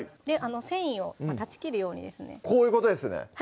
繊維を断ち切るようにですねこういうことですね